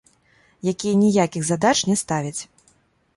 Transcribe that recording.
Якія ніякіх задач не ставяць.